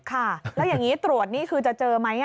ค่ะแล้วอย่างนี้ตรวจนี่คือจะเจอไหม